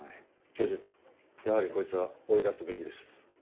教授やはりこいつは追い出すべきです。